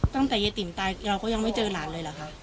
ตั้งแต่ยายติ๋มตายเราก็ยังไม่เจอหลานเลยเหรอคะ